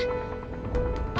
ini rumah gua